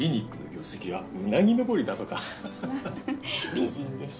美人でしょ。